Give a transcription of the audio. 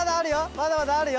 まだまだあるよ！